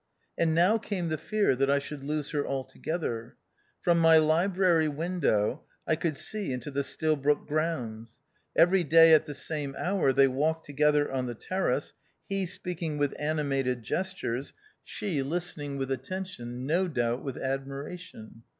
And now came the fear that I should lose her altogether. From my library window, I could see into the Stilbroke grounds. Every day at the same hour, they walked together on the terrace, he speaking with animated gestures, she listen 88 THE OUTCAST. ing with attention — no doubt with admira tion.